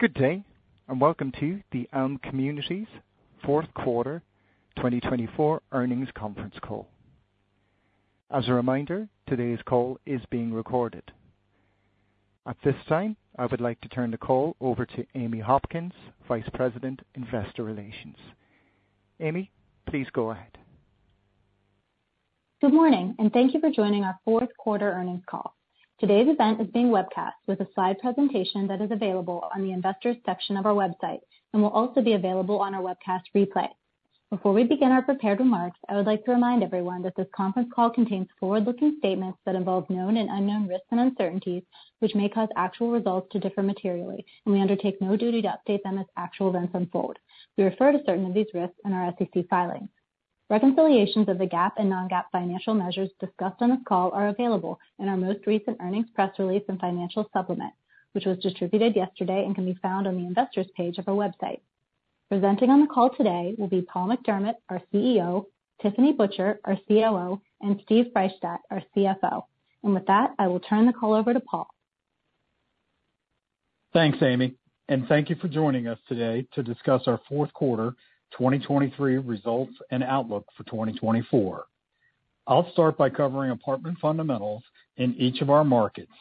Good day and welcome to the Elme Communities fourth quarter 2024 earnings conference call. As a reminder, today's call is being recorded. At this time, I would like to turn the call over to Amy Hopkins, Vice President Investor Relations. Amy, please go ahead. Good morning, and thank you for joining our fourth quarter earnings call. Today's event is being webcast with a slide presentation that is available on the investors section of our website and will also be available on our webcast replay. Before we begin our prepared remarks, I would like to remind everyone that this conference call contains forward-looking statements that involve known and unknown risks and uncertainties which may cause actual results to differ materially, and we undertake no duty to update them as actual events unfold. We refer to certain of these risks in our SEC filings. Reconciliations of the GAAP and non-GAAP financial measures discussed on this call are available in our most recent earnings press release and financial supplement, which was distributed yesterday and can be found on the investors page of our website. Presenting on the call today will be Paul McDermott, our CEO, Tiffany Butcher, our COO, and Steve Freishtat, our CFO. With that, I will turn the call over to Paul. Thanks, Amy, and thank you for joining us today to discuss our fourth quarter 2023 results and outlook for 2024. I'll start by covering apartment fundamentals in each of our markets.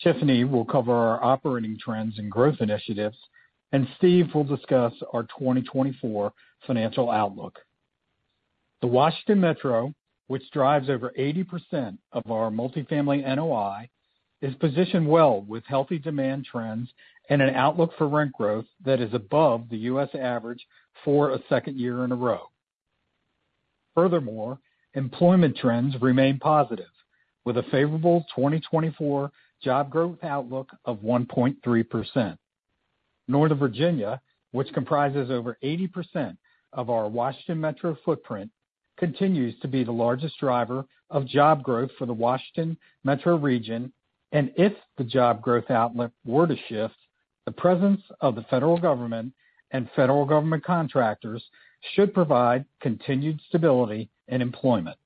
Tiffany will cover our operating trends and growth initiatives, and Steve will discuss our 2024 financial outlook. The Washington Metro, which drives over 80% of our multifamily NOI, is positioned well with healthy demand trends and an outlook for rent growth that is above the U.S. average for a second year in a row. Furthermore, employment trends remain positive, with a favorable 2024 job growth outlook of 1.3%. Northern Virginia, which comprises over 80% of our Washington Metro footprint, continues to be the largest driver of job growth for the Washington Metro region, and if the job growth outlook were to shift, the presence of the federal government and federal government contractors should provide continued stability and employment.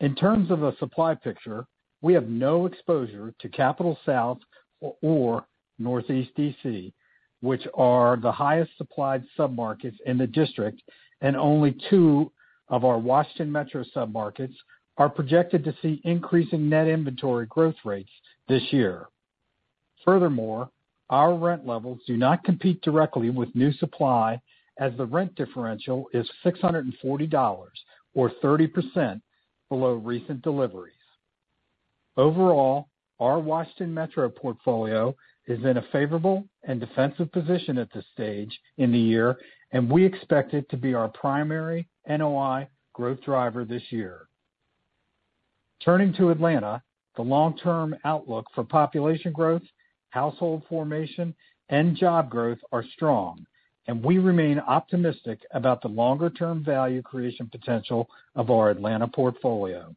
In terms of the supply picture, we have no exposure to Capitol South or Northeast D.C., which are the highest supplied submarkets in the district, and only two of our Washington Metro submarkets are projected to see increasing net inventory growth rates this year. Furthermore, our rent levels do not compete directly with new supply, as the rent differential is $640, or 30% below recent deliveries. Overall, our Washington Metro portfolio is in a favorable and defensive position at this stage in the year, and we expect it to be our primary NOI growth driver this year. Turning to Atlanta, the long-term outlook for population growth, household formation, and job growth are strong, and we remain optimistic about the longer-term value creation potential of our Atlanta portfolio.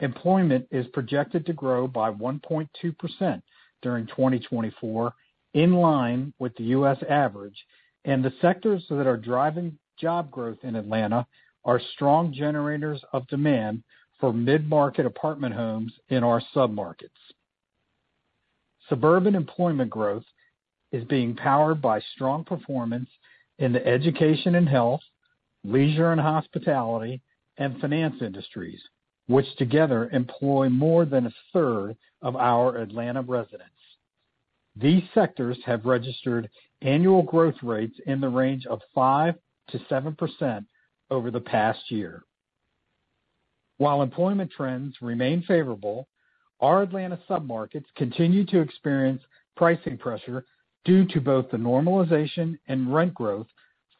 Employment is projected to grow by 1.2% during 2024, in line with the U.S. average, and the sectors that are driving job growth in Atlanta are strong generators of demand for mid-market apartment homes in our submarkets. Suburban employment growth is being powered by strong performance in the education and health, leisure and hospitality, and finance industries, which together employ more than a third of our Atlanta residents. These sectors have registered annual growth rates in the range of 5%-7% over the past year. While employment trends remain favorable, our Atlanta submarkets continue to experience pricing pressure due to both the normalization and rent growth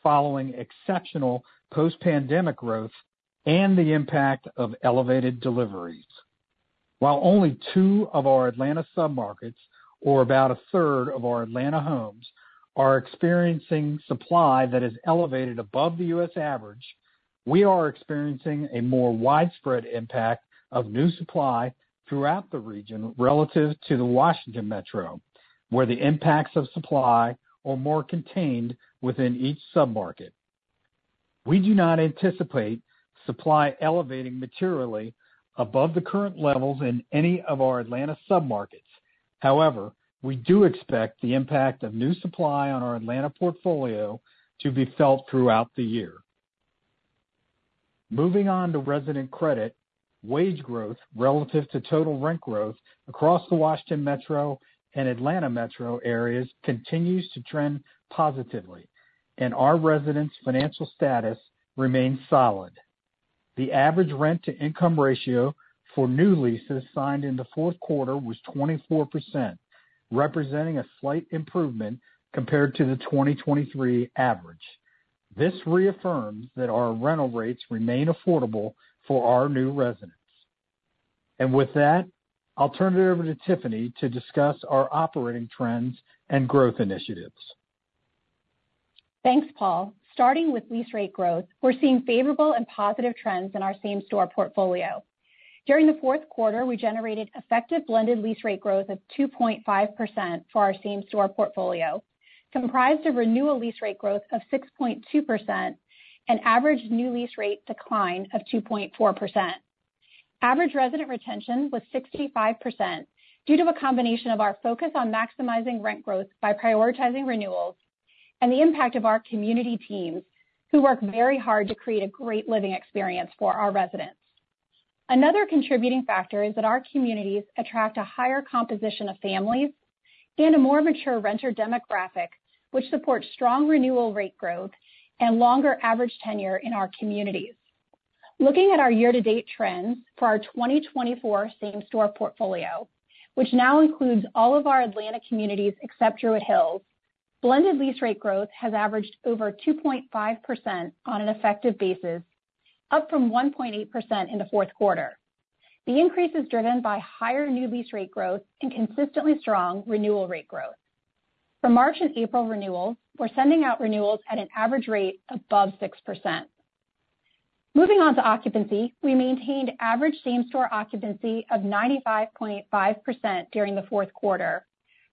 following exceptional post-pandemic growth and the impact of elevated deliveries. While only two of our Atlanta submarkets, or about a third of our Atlanta homes, are experiencing supply that is elevated above the U.S. average, we are experiencing a more widespread impact of new supply throughout the region relative to the Washington Metro, where the impacts of supply are more contained within each submarket. We do not anticipate supply elevating materially above the current levels in any of our Atlanta submarkets. However, we do expect the impact of new supply on our Atlanta portfolio to be felt throughout the year. Moving on to resident credit, wage growth relative to total rent growth across the Washington Metro and Atlanta Metro areas continues to trend positively, and our residents' financial status remains solid. The average rent-to-income ratio for new leases signed in the fourth quarter was 24%, representing a slight improvement compared to the 2023 average. This reaffirms that our rental rates remain affordable for our new residents. With that, I'll turn it over to Tiffany to discuss our operating trends and growth initiatives. Thanks, Paul. Starting with lease rate growth, we're seeing favorable and positive trends in our same-store portfolio. During the fourth quarter, we generated effective blended lease rate growth of 2.5% for our same-store portfolio, comprised of renewal lease rate growth of 6.2%, an average new lease rate decline of 2.4%. Average resident retention was 65% due to a combination of our focus on maximizing rent growth by prioritizing renewals and the impact of our community teams, who work very hard to create a great living experience for our residents. Another contributing factor is that our communities attract a higher composition of families and a more mature renter demographic, which supports strong renewal rate growth and longer average tenure in our communities. Looking at our year-to-date trends for our 2024 same-store portfolio, which now includes all of our Atlanta communities except Druid Hills, blended lease rate growth has averaged over 2.5% on an effective basis, up from 1.8% in the fourth quarter. The increase is driven by higher new lease rate growth and consistently strong renewal rate growth. For March and April renewals, we're sending out renewals at an average rate above 6%. Moving on to occupancy, we maintained average same-store occupancy of 95.5% during the fourth quarter,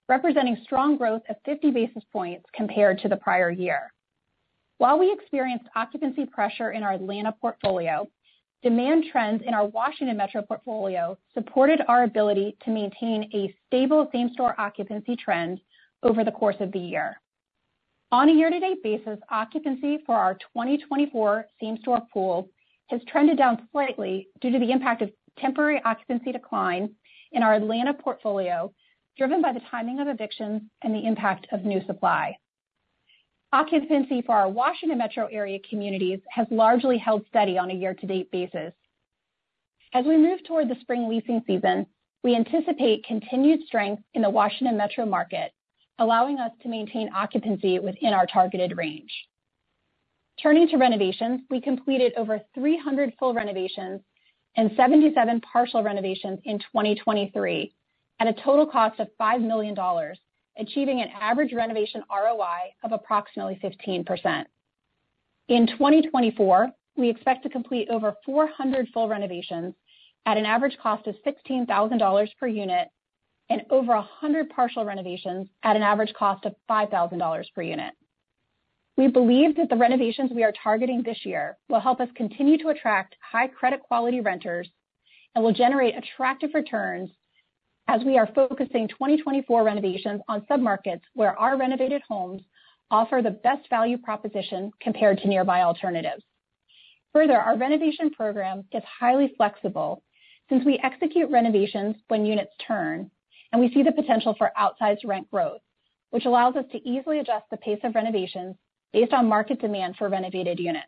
representing strong growth of 50 basis points compared to the prior year. While we experienced occupancy pressure in our Atlanta portfolio, demand trends in our Washington Metro portfolio supported our ability to maintain a stable same-store occupancy trend over the course of the year. On a year-to-date basis, occupancy for our 2024 same-store pool has trended down slightly due to the impact of temporary occupancy decline in our Atlanta portfolio, driven by the timing of evictions and the impact of new supply. Occupancy for our Washington Metro area communities has largely held steady on a year-to-date basis. As we move toward the spring leasing season, we anticipate continued strength in the Washington Metro market, allowing us to maintain occupancy within our targeted range. Turning to renovations, we completed over 300 full renovations and 77 partial renovations in 2023, at a total cost of $5 million, achieving an average renovation ROI of approximately 15%. In 2024, we expect to complete over 400 full renovations, at an average cost of $16,000 per unit, and over 100 partial renovations, at an average cost of $5,000 per unit. We believe that the renovations we are targeting this year will help us continue to attract high-credit quality renters and will generate attractive returns as we are focusing 2024 renovations on submarkets where our renovated homes offer the best value proposition compared to nearby alternatives. Further, our renovation program is highly flexible since we execute renovations when units turn, and we see the potential for outsized rent growth, which allows us to easily adjust the pace of renovations based on market demand for renovated units.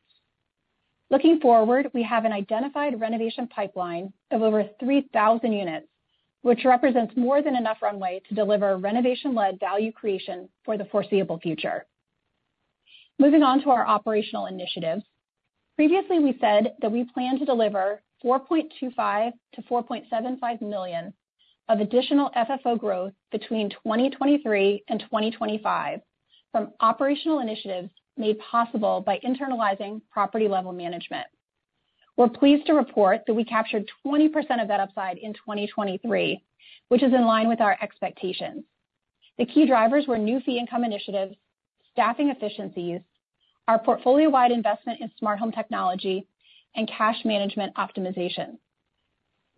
Looking forward, we have an identified renovation pipeline of over 3,000 units, which represents more than enough runway to deliver renovation-led value creation for the foreseeable future. Moving on to our operational initiatives, previously we said that we plan to deliver 4.25-4.75 million of additional FFO growth between 2023 and 2025 from operational initiatives made possible by internalizing property-level management. We're pleased to report that we captured 20% of that upside in 2023, which is in line with our expectations. The key drivers were new fee-income initiatives, staffing efficiencies, our portfolio-wide investment in smart home technology, and cash management optimization.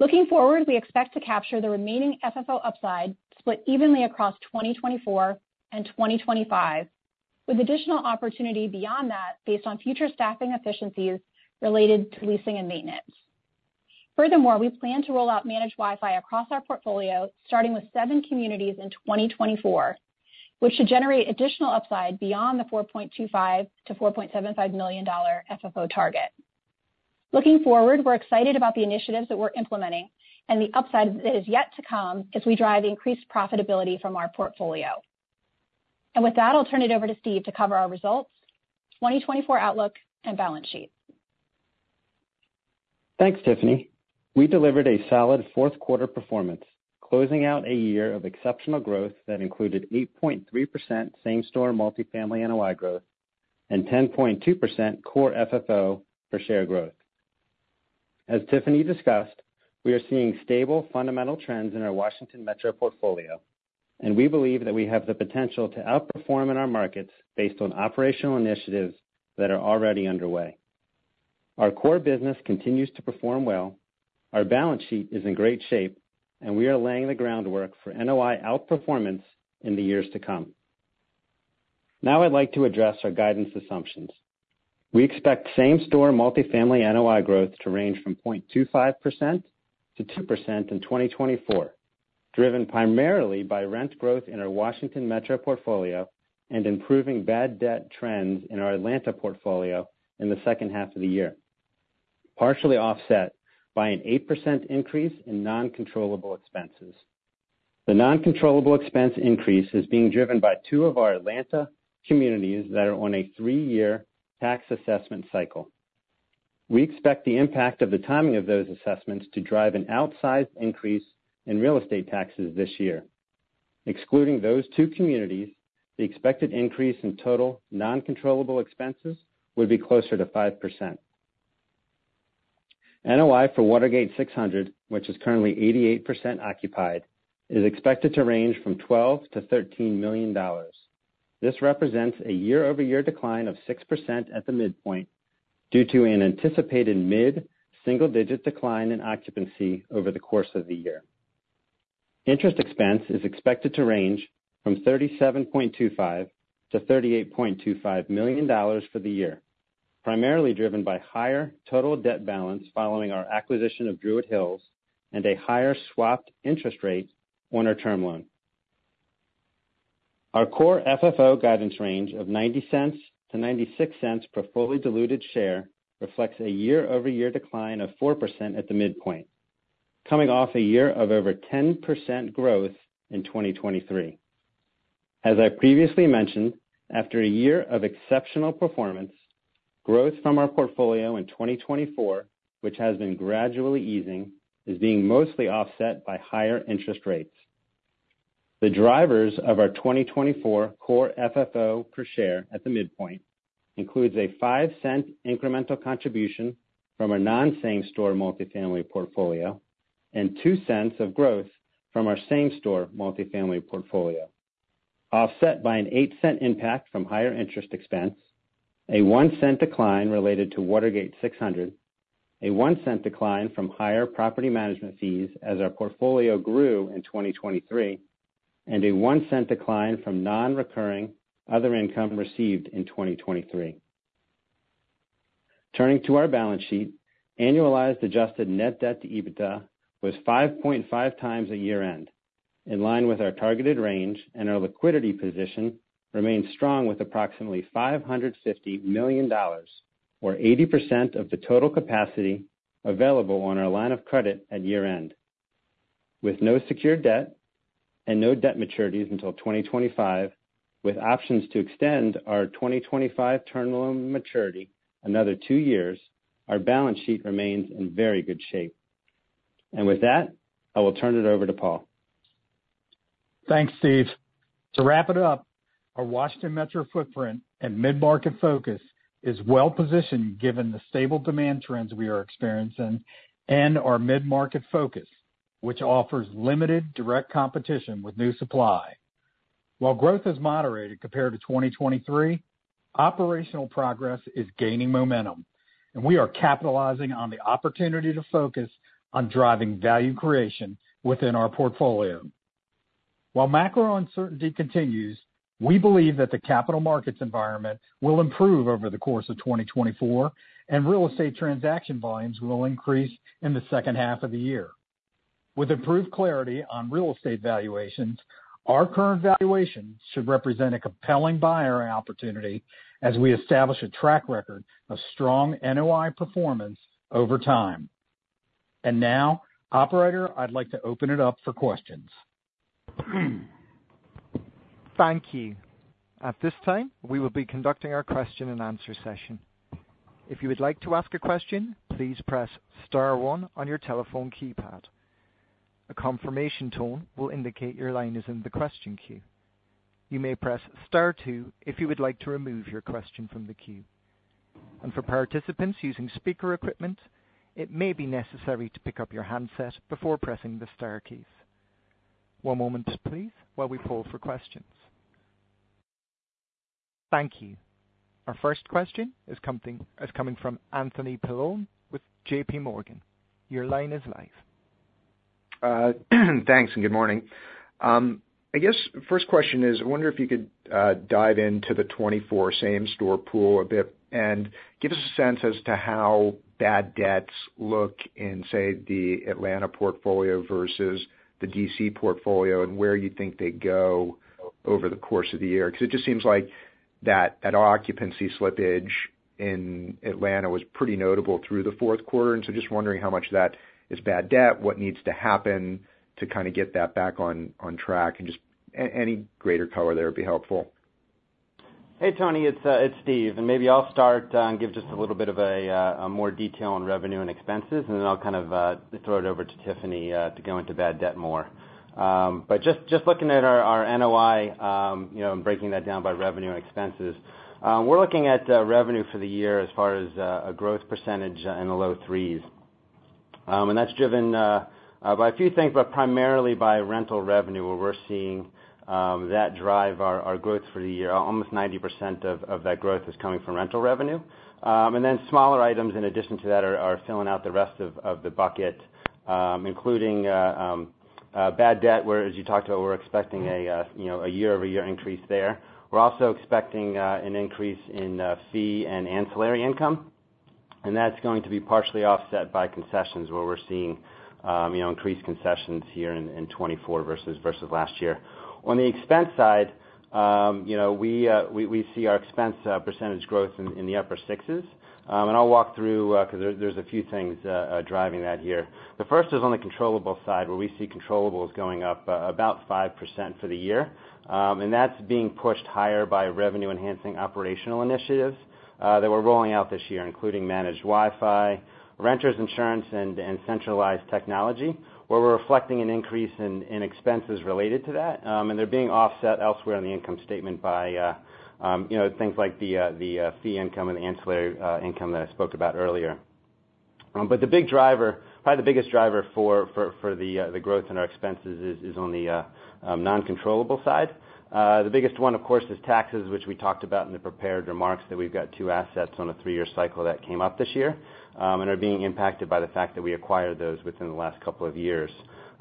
Looking forward, we expect to capture the remaining FFO upside split evenly across 2024 and 2025, with additional opportunity beyond that based on future staffing efficiencies related to leasing and maintenance. Furthermore, we plan to roll out managed Wi-Fi across our portfolio, starting with seven communities in 2024, which should generate additional upside beyond the $4.25-$4.75 million FFO target. Looking forward, we're excited about the initiatives that we're implementing, and the upside that is yet to come as we drive increased profitability from our portfolio. With that, I'll turn it over to Steve to cover our results, 2024 outlook, and balance sheet. Thanks, Tiffany. We delivered a solid fourth-quarter performance, closing out a year of exceptional growth that included 8.3% same-store multifamily NOI growth and 10.2% core FFO per share growth. As Tiffany discussed, we are seeing stable fundamental trends in our Washington Metro portfolio, and we believe that we have the potential to outperform in our markets based on operational initiatives that are already underway. Our core business continues to perform well, our balance sheet is in great shape, and we are laying the groundwork for NOI outperformance in the years to come. Now I'd like to address our guidance assumptions. We expect same-store multifamily NOI growth to range from 0.25%-2% in 2024, driven primarily by rent growth in our Washington Metro portfolio and improving bad debt trends in our Atlanta portfolio in the second half of the year, partially offset by an 8% increase in non-controllable expenses. The non-controllable expense increase is being driven by 2 of our Atlanta communities that are on a 3-year tax assessment cycle. We expect the impact of the timing of those assessments to drive an outsized increase in real estate taxes this year. Excluding those 2 communities, the expected increase in total non-controllable expenses would be closer to 5%. NOI for Watergate 600, which is currently 88% occupied, is expected to range from $12-$13 million. This represents a year-over-year decline of 6% at the midpoint due to an anticipated mid-single-digit decline in occupancy over the course of the year. Interest expense is expected to range from $37.25-$38.25 million for the year, primarily driven by higher total debt balance following our acquisition of Druid Hills and a higher swapped interest rate on our term loan. Our Core FFO guidance range of $0.90-$0.96 per fully diluted share reflects a year-over-year decline of 4% at the midpoint, coming off a year of over 10% growth in 2023. As I previously mentioned, after a year of exceptional performance, growth from our portfolio in 2024, which has been gradually easing, is being mostly offset by higher interest rates. The drivers of our 2024 Core FFO per share at the midpoint include a $0.05 incremental contribution from our non-same-store multifamily portfolio and $0.02 of growth from our same-store multifamily portfolio, offset by an $0.08 impact from higher interest expense, a $0.01 decline related to Watergate 600, a $0.01 decline from higher property management fees as our portfolio grew in 2023, and a $0.01 decline from non-recurring other income received in 2023. Turning to our balance sheet, annualized adjusted net debt to EBITDA was 5.5 times at year-end, in line with our targeted range, and our liquidity position remains strong with approximately $550 million, or 80% of the total capacity available on our line of credit at year-end. With no secured debt and no debt maturities until 2025, with options to extend our 2025 term loan maturity another two years, our balance sheet remains in very good shape. With that, I will turn it over to Paul. Thanks, Steve. To wrap it up, our Washington Metro footprint and mid-market focus is well-positioned given the stable demand trends we are experiencing and our mid-market focus, which offers limited direct competition with new supply. While growth is moderated compared to 2023, operational progress is gaining momentum, and we are capitalizing on the opportunity to focus on driving value creation within our portfolio. While macro uncertainty continues, we believe that the capital markets environment will improve over the course of 2024, and real estate transaction volumes will increase in the second half of the year. With improved clarity on real estate valuations, our current valuation should represent a compelling buyer opportunity as we establish a track record of strong NOI performance over time. And now, operator, I'd like to open it up for questions. Thank you. At this time, we will be conducting our question-and-answer session. If you would like to ask a question, please press star 1 on your telephone keypad. A confirmation tone will indicate your line is in the question queue. You may press star two if you would like to remove your question from the queue. And for participants using speaker equipment, it may be necessary to pick up your handset before pressing the star keys. One moment, please, while we pull for questions. Thank you. Our first question is coming from Anthony Paolone with J.P. Morgan. Your line is live. Thanks and good morning. I guess first question is, I wonder if you could dive into the 2024 same-store pool a bit and give us a sense as to how bad debts look in, say, the Atlanta portfolio versus the D.C. portfolio and where you think they go over the course of the year. Because it just seems like that occupancy slippage in Atlanta was pretty notable through the fourth quarter, and so just wondering how much that is bad debt, what needs to happen to kind of get that back on track, and just any greater color there would be helpful. Hey, Tony. It's Steve. Maybe I'll start and give just a little bit of more detail on revenue and expenses, and then I'll kind of throw it over to Tiffany to go into bad debt more. But just looking at our NOI and breaking that down by revenue and expenses, we're looking at revenue for the year as far as a growth percentage in the low threes. That's driven by a few things, but primarily by rental revenue, where we're seeing that drive our growth for the year. Almost 90% of that growth is coming from rental revenue. Then smaller items in addition to that are filling out the rest of the bucket, including bad debt, where, as you talked about, we're expecting a year-over-year increase there. We're also expecting an increase in fee and ancillary income, and that's going to be partially offset by concessions, where we're seeing increased concessions here in 2024 versus last year. On the expense side, we see our expense percentage growth in the upper sixes. I'll walk through because there's a few things driving that here. The first is on the controllable side, where we see controllables going up about 5% for the year. That's being pushed higher by revenue-enhancing operational initiatives that we're rolling out this year, including managed Wi-Fi, renters' insurance, and centralized technology, where we're reflecting an increase in expenses related to that. They're being offset elsewhere in the income statement by things like the fee income and the ancillary income that I spoke about earlier. But the big driver, probably the biggest driver for the growth in our expenses, is on the non-controllable side. The biggest one, of course, is taxes, which we talked about in the prepared remarks that we've got two assets on a three-year cycle that came up this year and are being impacted by the fact that we acquired those within the last couple of years.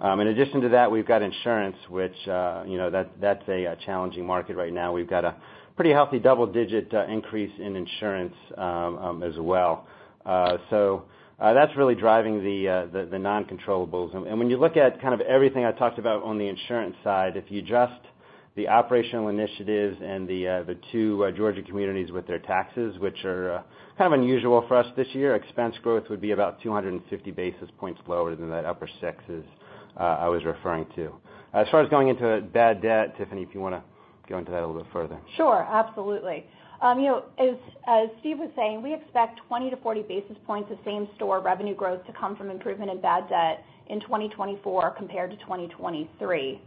In addition to that, we've got insurance, which that's a challenging market right now. We've got a pretty healthy double-digit increase in insurance as well. So that's really driving the non-controllables. And when you look at kind of everything I talked about on the insurance side, if you adjust the operational initiatives and the two Georgia communities with their taxes, which are kind of unusual for us this year, expense growth would be about 250 basis points lower than that upper sixes I was referring to. As far as going into bad debt, Tiffany, if you want to go into that a little bit further. Sure. Absolutely. As Steve was saying, we expect 20-40 basis points of same-store revenue growth to come from improvement in bad debt in 2024 compared to 2023.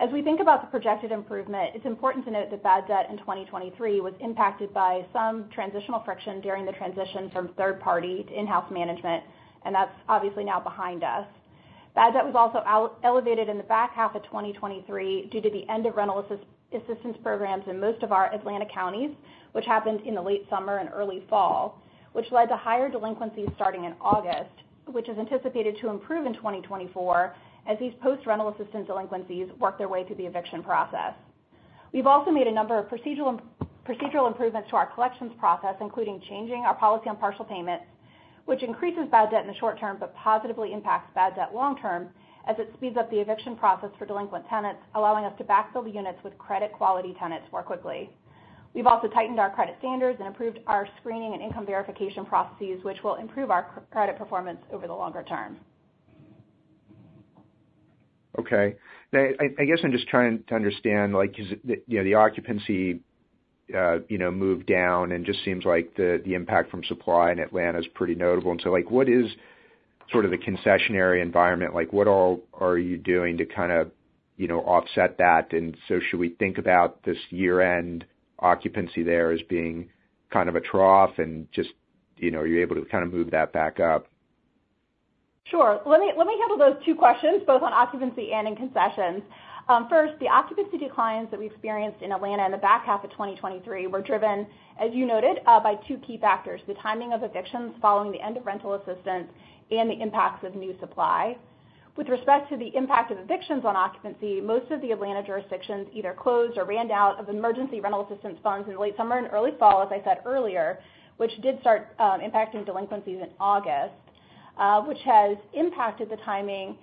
As we think about the projected improvement, it's important to note that bad debt in 2023 was impacted by some transitional friction during the transition from third-party to in-house management, and that's obviously now behind us. bad debt was also elevated in the back half of 2023 due to the end of rental assistance programs in most of our Atlanta counties, which happened in the late summer and early fall, which led to higher delinquencies starting in August, which is anticipated to improve in 2024 as these post-rental assistance delinquencies work their way through the eviction process. We've also made a number of procedural improvements to our collections process, including changing our policy on partial payments, which increases bad debt in the short term but positively impacts bad debt long term as it speeds up the eviction process for delinquent tenants, allowing us to backfill the units with credit-quality tenants more quickly. We've also tightened our credit standards and improved our screening and income verification processes, which will improve our credit performance over the longer term. Okay. I guess I'm just trying to understand because the occupancy moved down and just seems like the impact from supply in Atlanta is pretty notable. And so what is sort of the concessionary environment? What all are you doing to kind of offset that? And so should we think about this year-end occupancy there as being kind of a trough, and are you able to kind of move that back up? Sure. Let me handle those two questions, both on occupancy and in concessions. First, the occupancy declines that we experienced in Atlanta in the back half of 2023 were driven, as you noted, by two key factors: the timing of evictions following the end of rental assistance and the impacts of new supply. With respect to the impact of evictions on occupancy, most of the Atlanta jurisdictions either closed or ran out of emergency rental assistance funds in the late summer and early fall, as I said earlier, which did start impacting delinquencies in August, which has impacted the timing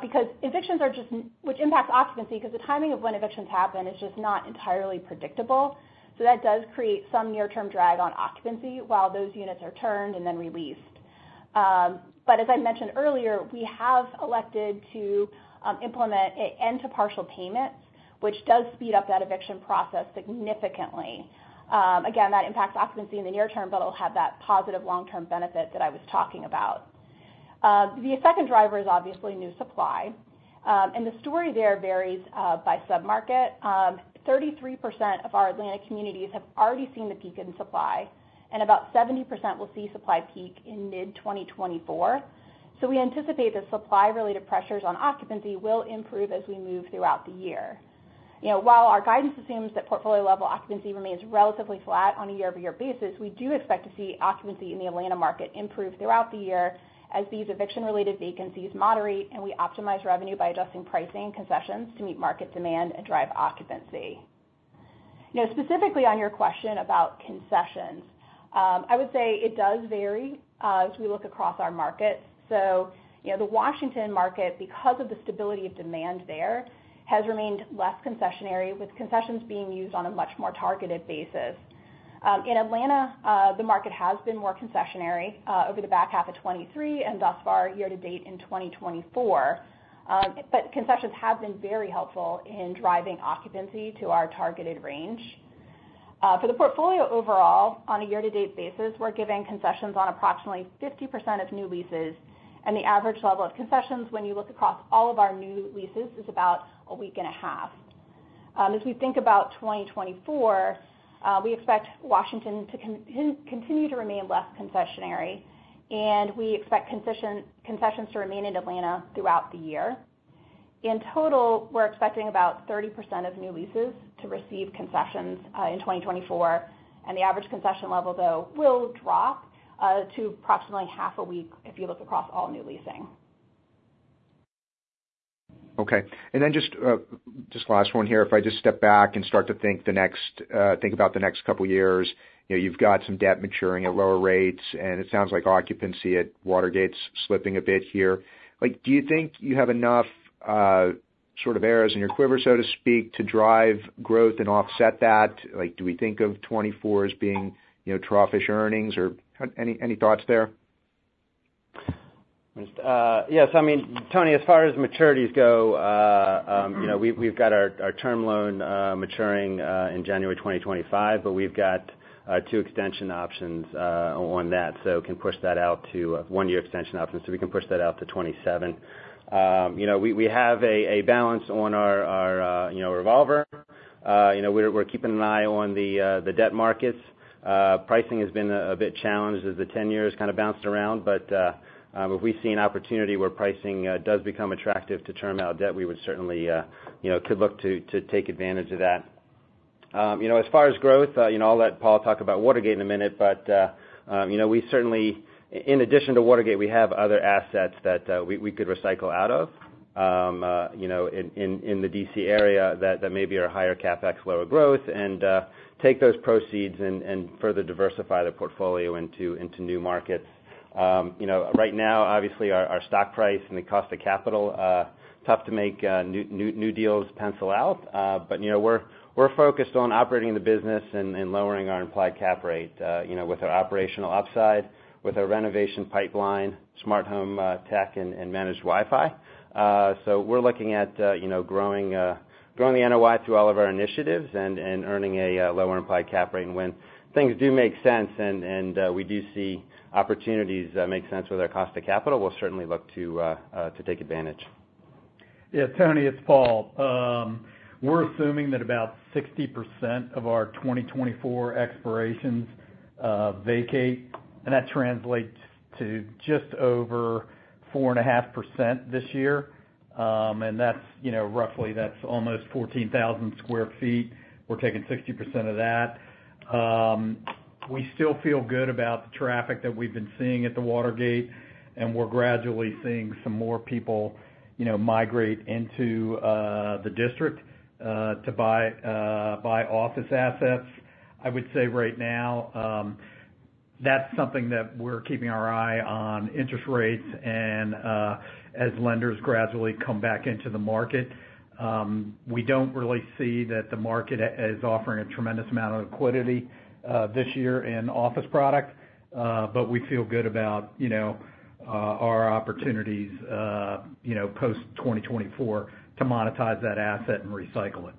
because evictions are just which impacts occupancy because the timing of when evictions happen is just not entirely predictable. So that does create some near-term drag on occupancy while those units are turned and then released. But as I mentioned earlier, we have elected to implement end-to-partial payments, which does speed up that eviction process significantly. Again, that impacts occupancy in the near term, but it'll have that positive long-term benefit that I was talking about. The second driver is obviously new supply. And the story there varies by submarket. 33% of our Atlanta communities have already seen the peak in supply, and about 70% will see supply peak in mid-2024. So we anticipate that supply-related pressures on occupancy will improve as we move throughout the year. While our guidance assumes that portfolio-level occupancy remains relatively flat on a year-over-year basis, we do expect to see occupancy in the Atlanta market improve throughout the year as these eviction-related vacancies moderate, and we optimize revenue by adjusting pricing and concessions to meet market demand and drive occupancy. Specifically on your question about concessions, I would say it does vary as we look across our markets. So the Washington market, because of the stability of demand there, has remained less concessionary, with concessions being used on a much more targeted basis. In Atlanta, the market has been more concessionary over the back half of 2023 and thus far year-to-date in 2024, but concessions have been very helpful in driving occupancy to our targeted range. For the portfolio overall, on a year-to-date basis, we're giving concessions on approximately 50% of new leases, and the average level of concessions, when you look across all of our new leases, is about a week and a half. As we think about 2024, we expect Washington to continue to remain less concessionary, and we expect concessions to remain in Atlanta throughout the year. In total, we're expecting about 30% of new leases to receive concessions in 2024, and the average concession level, though, will drop to approximately half a week if you look across all new leasing. Okay. And then just last one here. If I just step back and start to think about the next couple of years, you've got some debt maturing at lower rates, and it sounds like occupancy at Watergate's slipping a bit here. Do you think you have enough sort of arrows in your quiver, so to speak, to drive growth and offset that? Do we think of 2024 as being trough-ish earnings, or any thoughts there? Yes. I mean, Tony, as far as maturities go, we've got our term loan maturing in January 2025, but we've got two extension options on that, so can push that out to one-year extension options. So we can push that out to 2027. We have a balance on our revolver. We're keeping an eye on the debt markets. Pricing has been a bit challenged as the 10-year has kind of bounced around, but if we see an opportunity where pricing does become attractive to term-out debt, we would certainly could look to take advantage of that. As far as growth, I'll let Paul talk about Watergate in a minute, but we certainly, in addition to Watergate, we have other assets that we could recycle out of in the D.C. area that maybe are higher capex, lower growth, and take those proceeds and further diversify the portfolio into new markets. Right now, obviously, our stock price and the cost of capital, tough to make new deals pencil out, but we're focused on operating the business and lowering our implied cap rate with our operational upside, with our renovation pipeline, smart home tech, and managed Wi-Fi. So we're looking at growing the NOI through all of our initiatives and earning a lower implied cap rate. And when things do make sense and we do see opportunities make sense with our cost of capital, we'll certainly look to take advantage. Yeah. Tony, it's Paul. We're assuming that about 60% of our 2024 expirations vacate, and that translates to just over 4.5% this year. Roughly, that's almost 14,000 sq ft. We're taking 60% of that. We still feel good about the traffic that we've been seeing at the Watergate, and we're gradually seeing some more people migrate into the district to buy office assets. I would say right now, that's something that we're keeping our eye on, interest rates, and as lenders gradually come back into the market. We don't really see that the market is offering a tremendous amount of liquidity this year in office product, but we feel good about our opportunities post-2024 to monetize that asset and recycle it.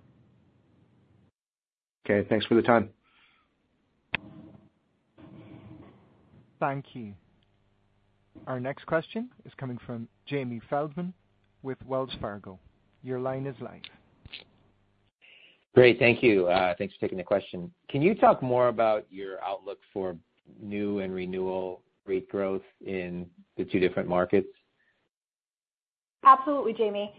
Okay. Thanks for the time. Thank you. Our next question is coming from Jamie Feldman with Wells Fargo. Your line is live. Great. Thank you. Thanks for taking the question. Can you talk more about your outlook for new and renewal rate growth in the two different markets? Absolutely, Jamie.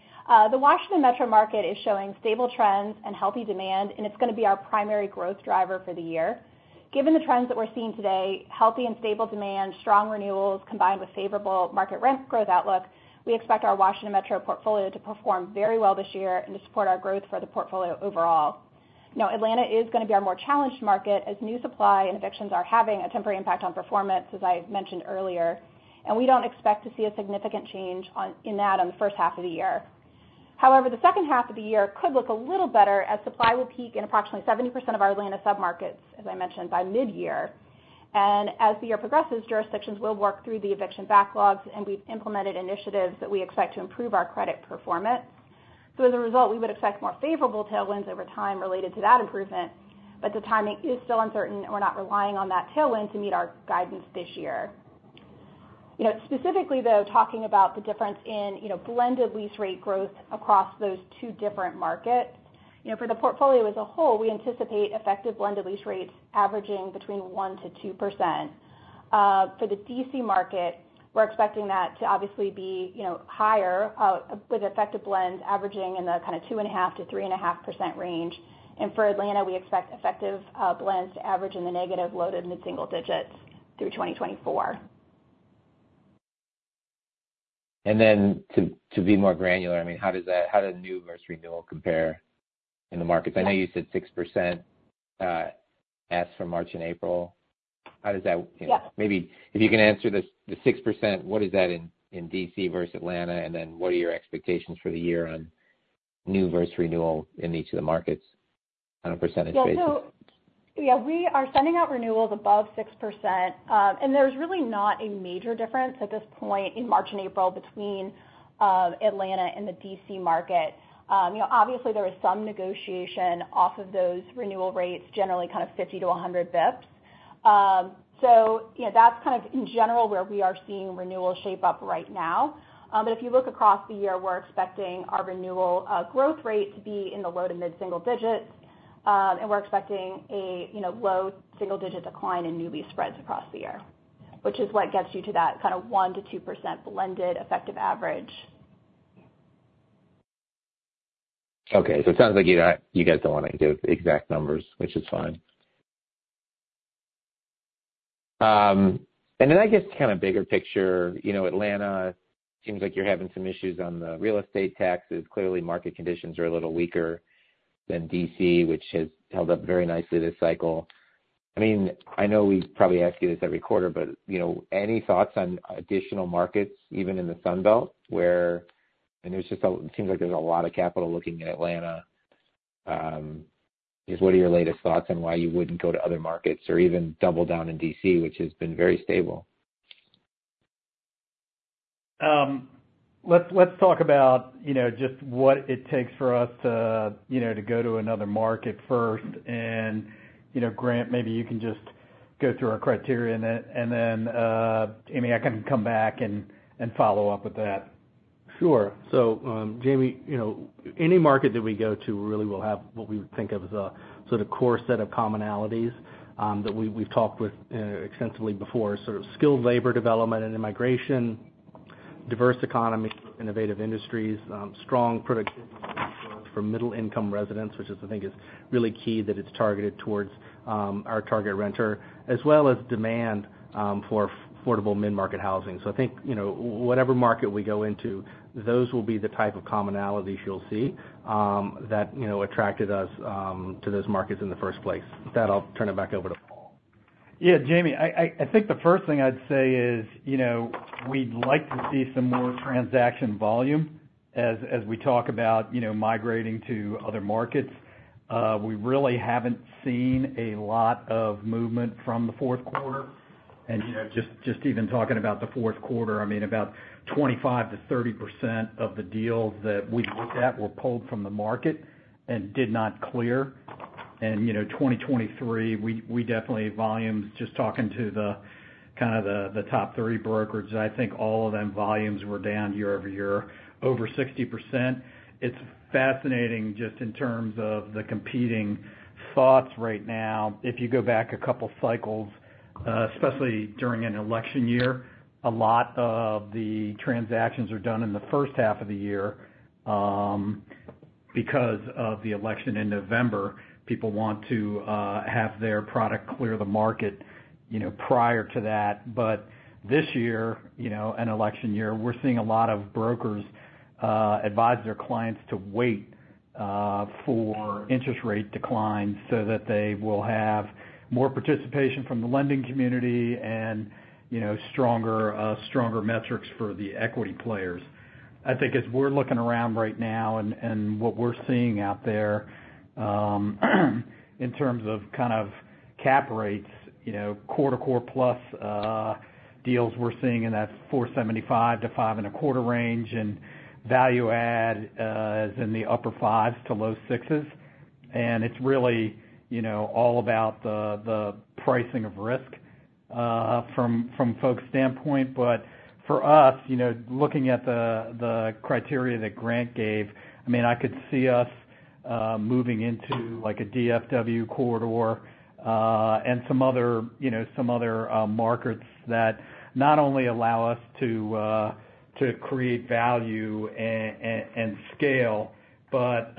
The Washington Metro market is showing stable trends and healthy demand, and it's going to be our primary growth driver for the year. Given the trends that we're seeing today, healthy and stable demand, strong renewals combined with favorable market rent growth outlook, we expect our Washington Metro portfolio to perform very well this year and to support our growth for the portfolio overall. Now, Atlanta is going to be our more challenged market as new supply and evictions are having a temporary impact on performance, as I mentioned earlier, and we don't expect to see a significant change in that on the first half of the year. However, the second half of the year could look a little better as supply will peak in approximately 70% of our Atlanta submarkets, as I mentioned, by mid-year. As the year progresses, jurisdictions will work through the eviction backlogs, and we've implemented initiatives that we expect to improve our credit performance. So as a result, we would expect more favorable tailwinds over time related to that improvement, but the timing is still uncertain, and we're not relying on that tailwind to meet our guidance this year. Specifically, though, talking about the difference in blended lease rate growth across those two different markets, for the portfolio as a whole, we anticipate effective blended lease rates averaging between 1%-2%. For the D.C. market, we're expecting that to obviously be higher with effective blends averaging in the kind of 2.5%-3.5% range. And for Atlanta, we expect effective blends to average in the negative loaded mid-single digits through 2024. And then to be more granular, I mean, how does new versus renewal compare in the markets? I know you said 6% asked for March and April. How does that maybe if you can answer the 6%, what is that in D.C. versus Atlanta, and then what are your expectations for the year on new versus renewal in each of the markets on a percentage basis? Yeah. So yeah, we are sending out renewals above 6%, and there's really not a major difference at this point in March and April between Atlanta and the D.C. market. Obviously, there was some negotiation off of those renewal rates, generally kind of 50-100 bps. So that's kind of, in general, where we are seeing renewal shape up right now. But if you look across the year, we're expecting our renewal growth rate to be in the low to mid-single digits, and we're expecting a low single-digit decline in new lease spreads across the year, which is what gets you to that kind of 1%-2% blended effective average. Okay. So it sounds like you guys don't want to give exact numbers, which is fine. And then I guess kind of bigger picture, Atlanta, it seems like you're having some issues on the real estate taxes. Clearly, market conditions are a little weaker than D.C., which has held up very nicely this cycle. I mean, I know we probably ask you this every quarter, but any thoughts on additional markets, even in the Sunbelt, where and it seems like there's a lot of capital looking at Atlanta. What are your latest thoughts on why you wouldn't go to other markets or even double down in D.C., which has been very stable? Let's talk about just what it takes for us to go to another market first. Grant, maybe you can just go through our criteria, and then, Amy, I can come back and follow up with that. Sure. So Jamie, any market that we go to really will have what we would think of as a sort of core set of commonalities that we've talked with extensively before, sort of skilled labor development and immigration, diverse economy for innovative industries, strong productivity for middle-income residents, which I think is really key that it's targeted towards our target renter, as well as demand for affordable mid-market housing. So I think whatever market we go into, those will be the type of commonalities you'll see that attracted us to those markets in the first place. With that, I'll turn it back over to Paul. Yeah. Jamie, I think the first thing I'd say is we'd like to see some more transaction volume as we talk about migrating to other markets. We really haven't seen a lot of movement from the fourth quarter. And just even talking about the fourth quarter, I mean, about 25%-30% of the deals that we've looked at were pulled from the market and did not clear. And 2023, we definitely volumes just talking to kind of the top three brokers, I think all of them volumes were down year-over-year over 60%. It's fascinating just in terms of the competing thoughts right now. If you go back a couple of cycles, especially during an election year, a lot of the transactions are done in the first half of the year because of the election in November. People want to have their product clear the market prior to that. But this year, an election year, we're seeing a lot of brokers advise their clients to wait for interest rate declines so that they will have more participation from the lending community and stronger metrics for the equity players. I think as we're looking around right now and what we're seeing out there in terms of kind of cap rates, Core to Core-plus deals we're seeing in that 4.75-5.25 range and value-add is in the upper 5s to low 6s. And it's really all about the pricing of risk from folks' standpoint. But for us, looking at the criteria that Grant gave, I mean, I could see us moving into a DFW corridor and some other markets that not only allow us to create value and scale, but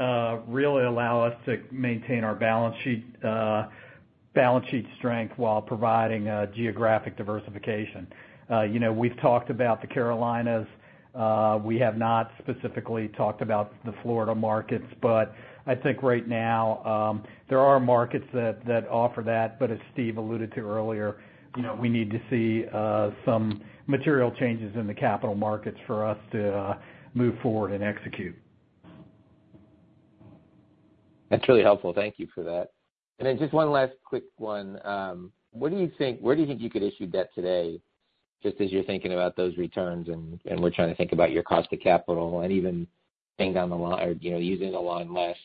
really allow us to maintain our balance sheet strength while providing geographic diversification. We've talked about the Carolinas. We have not specifically talked about the Florida markets, but I think right now, there are markets that offer that. But as Steve alluded to earlier, we need to see some material changes in the capital markets for us to move forward and execute. That's really helpful. Thank you for that. Then just one last quick one. What do you think? Where do you think you could issue debt today just as you're thinking about those returns and we're trying to think about your cost of capital and even paying down the line or using the line less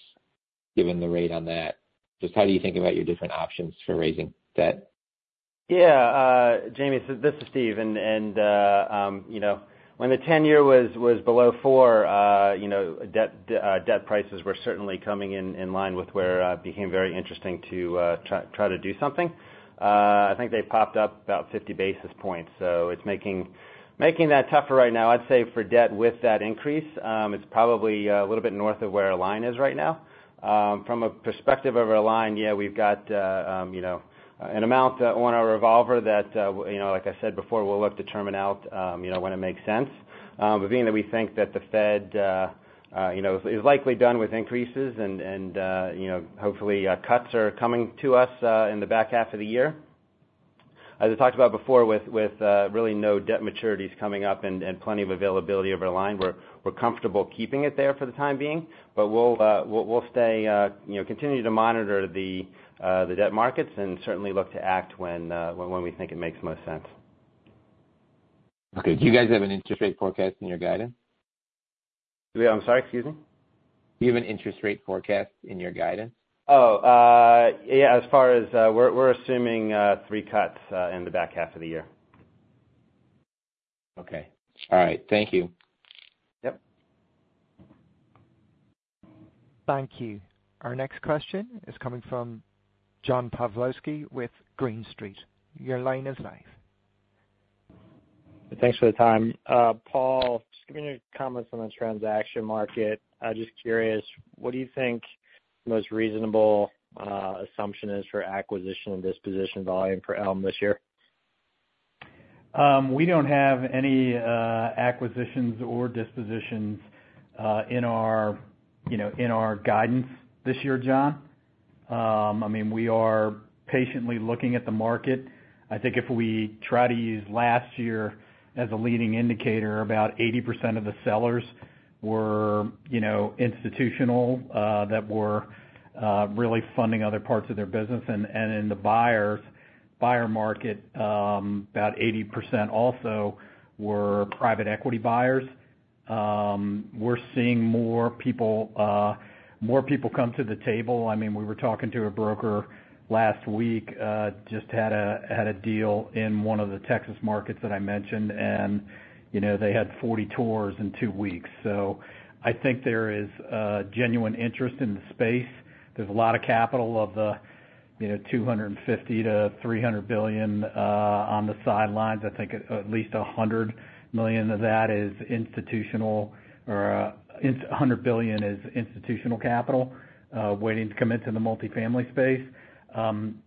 given the rate on that? Just how do you think about your different options for raising debt? Yeah. Jamie, this is Steve. And when the 10-year was below 4, debt prices were certainly coming in line with where it became very interesting to try to do something. I think they popped up about 50 basis points. So it's making that tougher right now. I'd say for debt with that increase, it's probably a little bit north of where our line is right now. From a perspective of our line, yeah, we've got an amount on our revolver that, like I said before, we'll look to term it out when it makes sense. But being that we think that the Fed is likely done with increases and hopefully cuts are coming to us in the back half of the year, as I talked about before with really no debt maturities coming up and plenty of availability of our line, we're comfortable keeping it there for the time being. But we'll continue to monitor the debt markets and certainly look to act when we think it makes most sense. Okay. Do you guys have an interest rate forecast in your guidance? I'm sorry. Excuse me? Do you have an interest rate forecast in your guidance? Oh. Yeah. As far as we're assuming three cuts in the back half of the year. Okay. All right. Thank you. Yep. Thank you. Our next question is coming from John Pawlowski with Green Street. Your line is live. Thanks for the time. Paul, just giving your comments on the transaction market, just curious, what do you think the most reasonable assumption is for acquisition and disposition volume for Elme this year? We don't have any acquisitions or dispositions in our guidance this year, John. I mean, we are patiently looking at the market. I think if we try to use last year as a leading indicator, about 80% of the sellers were institutional that were really funding other parts of their business. In the buyer market, about 80% also were private equity buyers. We're seeing more people come to the table. I mean, we were talking to a broker last week, just had a deal in one of the Texas markets that I mentioned, and they had 40 tours in two weeks. I think there is genuine interest in the space. There's a lot of capital of the $250 billion-$300 billion on the sidelines. I think at least $100 million of that is institutional or $100 billion is institutional capital waiting to come into the multifamily space.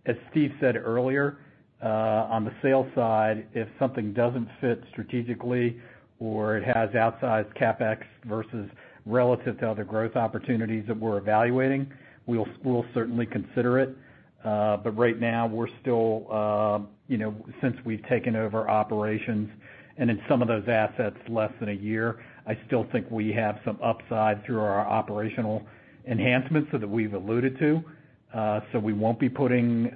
As Steve said earlier, on the sale side, if something doesn't fit strategically or it has outsized CapEx versus relative to other growth opportunities that we're evaluating, we'll certainly consider it. But right now, we're still since we've taken over operations and in some of those assets less than a year, I still think we have some upside through our operational enhancements that we've alluded to. So we won't be putting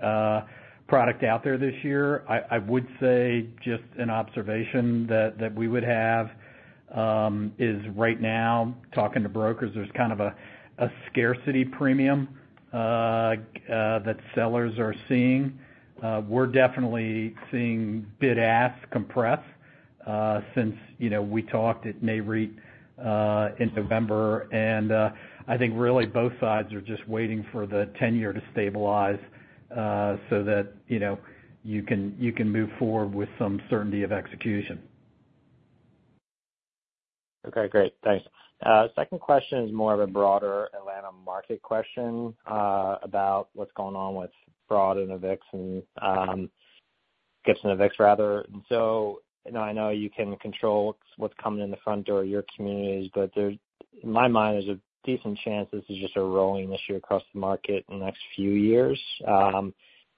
product out there this year. I would say just an observation that we would have is right now, talking to brokers, there's kind of a scarcity premium that sellers are seeing. We're definitely seeing bid-ask compression since we talked at Nareit in November. And I think really both sides are just waiting for the 10-year to stabilize so that you can move forward with some certainty of execution. Okay. Great. Thanks. Second question is more of a broader Atlanta market question about what's going on with fraud and evictions and skips and evicts, rather. So I know you can control what's coming in the front door of your communities, but in my mind, there's a decent chance this is just a rolling issue across the market the next few years.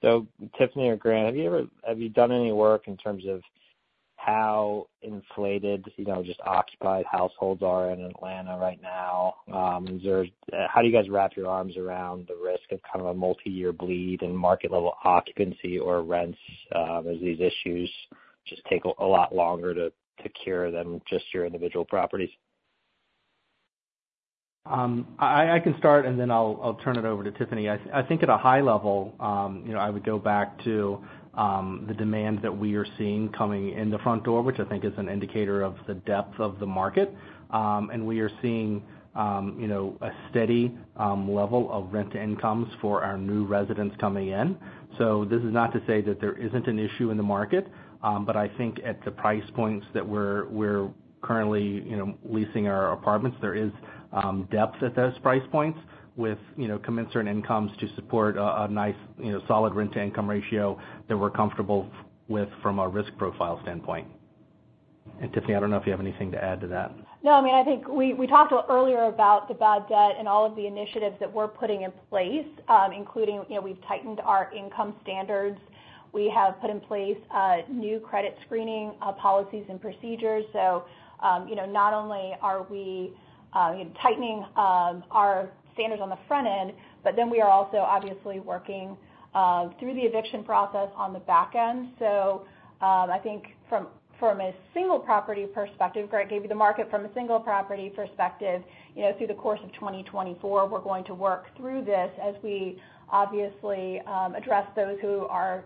So Tiffany or Grant, have you done any work in terms of how inflated, just occupied households are in Atlanta right now? How do you guys wrap your arms around the risk of kind of a multi-year bleed in market-level occupancy or rents as these issues just take a lot longer to cure than just your individual properties? I can start, and then I'll turn it over to Tiffany. I think at a high level, I would go back to the demand that we are seeing coming in the front door, which I think is an indicator of the depth of the market. And we are seeing a steady level of renter incomes for our new residents coming in. So this is not to say that there isn't an issue in the market, but I think at the price points that we're currently leasing our apartments, there is depth at those price points with commensurate incomes to support a nice solid rent-to-income ratio that we're comfortable with from a risk profile standpoint. And Tiffany, I don't know if you have anything to add to that. No, I mean, I think we talked earlier about the bad debt and all of the initiatives that we're putting in place, including we've tightened our income standards. We have put in place new credit screening policies and procedures. So not only are we tightening our standards on the front end, but then we are also obviously working through the eviction process on the back end. So I think from a single property perspective, Grant gave you the market from a single property perspective. Through the course of 2024, we're going to work through this as we obviously address those who are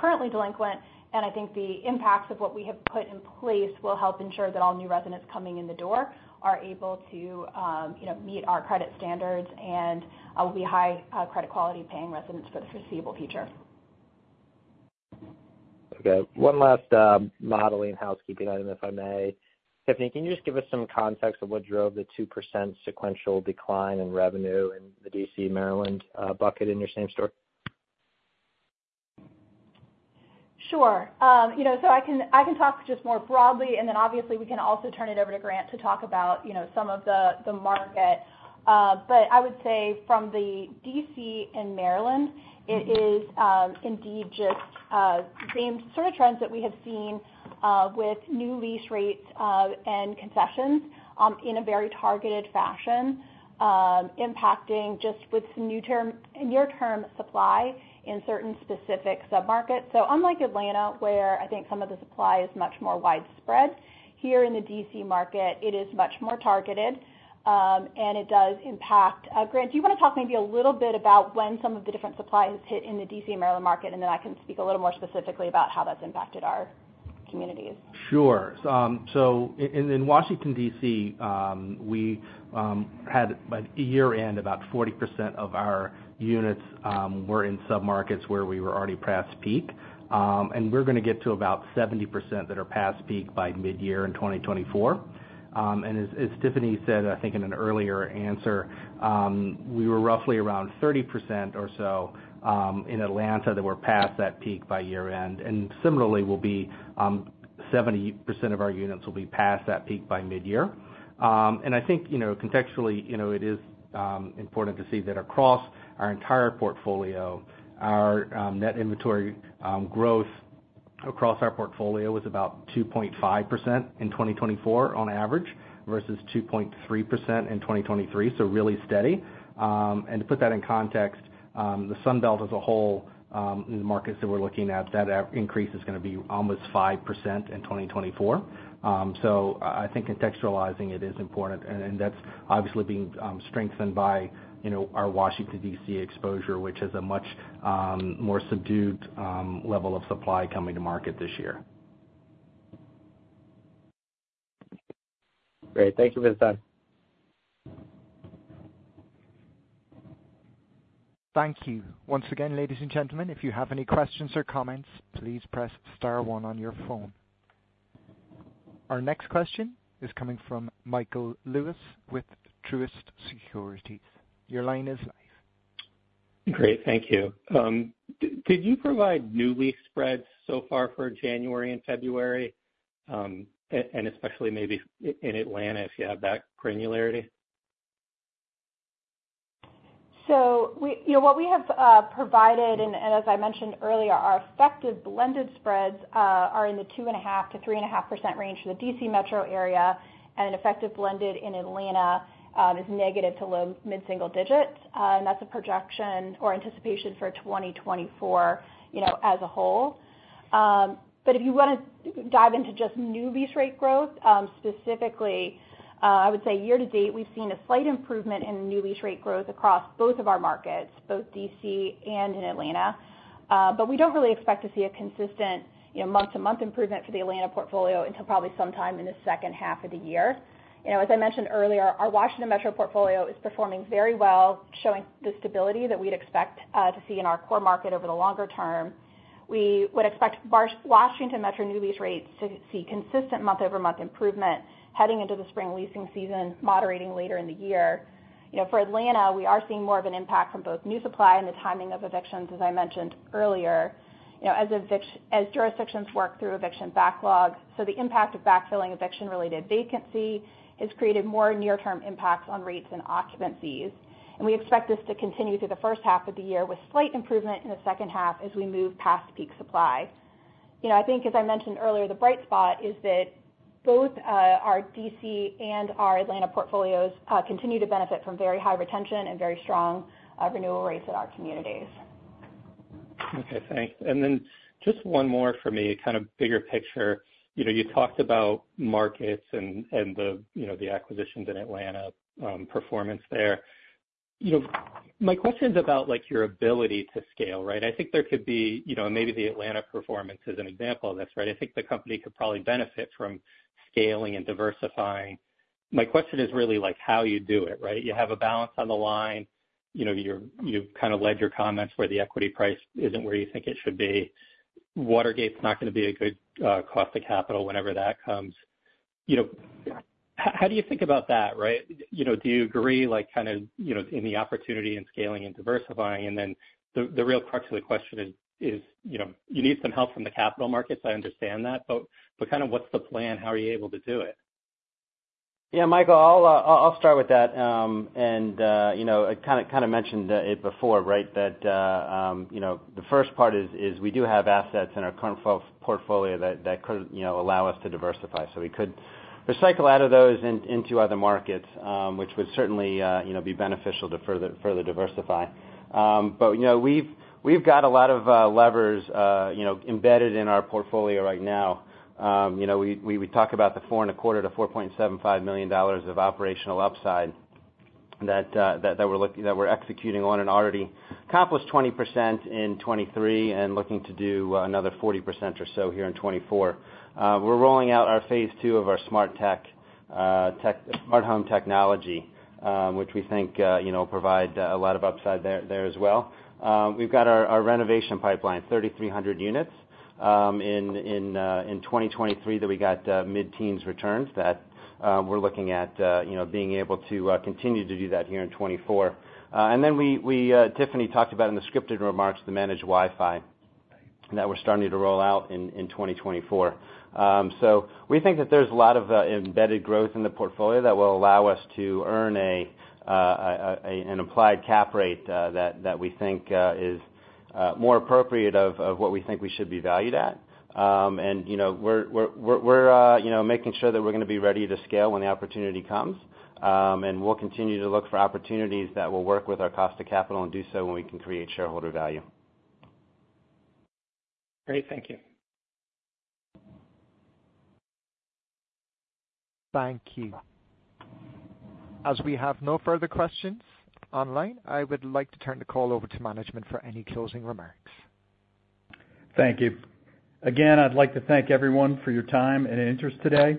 currently delinquent. I think the impacts of what we have put in place will help ensure that all new residents coming in the door are able to meet our credit standards and will be high credit quality paying residents for the foreseeable future. Okay. One last modeling housekeeping item, if I may. Tiffany, can you just give us some context of what drove the 2% sequential decline in revenue in the D.C., Maryland bucket in your same-store? Sure. So I can talk just more broadly, and then obviously, we can also turn it over to Grant to talk about some of the market. But I would say from the D.C. and Maryland, it is indeed just the same sort of trends that we have seen with new lease rates and concessions in a very targeted fashion, impacting just with some new-term and near-term supply in certain specific submarkets. So unlike Atlanta, where I think some of the supply is much more widespread, here in the D.C. market, it is much more targeted, and it does impact. Grant, do you want to talk maybe a little bit about when some of the different supply has hit in the D.C. and Maryland market, and then I can speak a little more specifically about how that's impacted our communities? Sure. So in Washington, D.C., we had by year-end, about 40% of our units were in submarkets where we were already past peak. And we're going to get to about 70% that are past peak by mid-year in 2024. And as Tiffany said, I think in an earlier answer, we were roughly around 30% or so in Atlanta that were past that peak by year-end. And similarly, we'll be 70% of our units will be past that peak by mid-year. And I think contextually, it is important to see that across our entire portfolio, our net inventory growth across our portfolio was about 2.5% in 2024 on average versus 2.3% in 2023, so really steady. And to put that in context, the Sunbelt as a whole in the markets that we're looking at, that increase is going to be almost 5% in 2024. So I think contextualizing it is important. That's obviously being strengthened by our Washington, D.C. exposure, which has a much more subdued level of supply coming to market this year. Great. Thank you for the time. Thank you. Once again, ladies and gentlemen, if you have any questions or comments, please press star 1 on your phone. Our next question is coming from Michael Lewis with Truist Securities. Your line is live. Great. Thank you. Did you provide new lease spreads so far for January and February, and especially maybe in Atlanta if you have that granularity? So what we have provided, and as I mentioned earlier, our effective blended spreads are in the 2.5%-3.5% range for the D.C. metro area. And an effective blended in Atlanta is negative to low mid-single digits. And that's a projection or anticipation for 2024 as a whole. But if you want to dive into just new lease rate growth, specifically, I would say year-to-date, we've seen a slight improvement in new lease rate growth across both of our markets, both D.C. and in Atlanta. But we don't really expect to see a consistent month-to-month improvement for the Atlanta portfolio until probably sometime in the second half of the year. As I mentioned earlier, our Washington Metro portfolio is performing very well, showing the stability that we'd expect to see in our core market over the longer term. We would expect Washington Metro new lease rates to see consistent month-over-month improvement heading into the spring leasing season, moderating later in the year. For Atlanta, we are seeing more of an impact from both new supply and the timing of evictions, as I mentioned earlier, as jurisdictions work through eviction backlog. So the impact of backfilling eviction-related vacancy has created more near-term impacts on rates and occupancies. And we expect this to continue through the first half of the year with slight improvement in the second half as we move past peak supply. I think, as I mentioned earlier, the bright spot is that both our D.C. and our Atlanta portfolios continue to benefit from very high retention and very strong renewal rates at our communities. Okay. Thanks. And then just one more for me, a kind of bigger picture. You talked about markets and the acquisitions in Atlanta, performance there. My question is about your ability to scale, right? I think there could be and maybe the Atlanta performance is an example of this, right? I think the company could probably benefit from scaling and diversifying. My question is really how you do it, right? You have a balance on the line. You've kind of led your comments where the equity price isn't where you think it should be. Watergate's not going to be a good cost of capital whenever that comes. How do you think about that, right? Do you agree kind of in the opportunity and scaling and diversifying? And then the real crux of the question is you need some help from the capital markets. I understand that. But kind of what's the plan? How are you able to do it? Yeah, Michael, I'll start with that. And I kind of mentioned it before, right, that the first part is we do have assets in our current portfolio that could allow us to diversify. So we could recycle out of those into other markets, which would certainly be beneficial to further diversify. But we've got a lot of levers embedded in our portfolio right now. We talk about the $4.25-$4.75 million of operational upside that we're executing on and already accomplished 20% in 2023 and looking to do another 40% or so here in 2024. We're rolling out our phase two of our smart home technology, which we think will provide a lot of upside there as well. We've got our renovation pipeline, 3,300 units in 2023 that we got mid-teens returns that we're looking at being able to continue to do that here in 2024. Then Tiffany talked about in the scripted remarks the managed Wi-Fi that we're starting to roll out in 2024. We think that there's a lot of embedded growth in the portfolio that will allow us to earn an applied cap rate that we think is more appropriate of what we think we should be valued at. We're making sure that we're going to be ready to scale when the opportunity comes. We'll continue to look for opportunities that will work with our cost of capital and do so when we can create shareholder value. Great. Thank you. Thank you. As we have no further questions online, I would like to turn the call over to management for any closing remarks. Thank you. Again, I'd like to thank everyone for your time and interest today.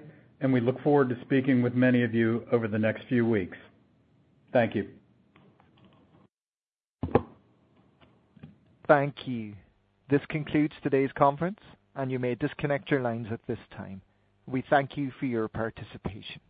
We look forward to speaking with many of you over the next few weeks. Thank you. Thank you. This concludes today's conference, and you may disconnect your lines at this time. We thank you for your participation.